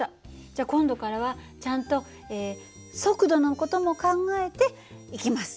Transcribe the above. じゃ今度からはちゃんと速度の事も考えて行きます。